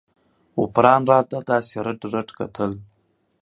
غوپران راته داسې نېغ نېغ کېدو.